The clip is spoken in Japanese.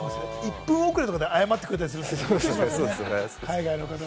１分遅れとかで謝ってくれたりしますよね。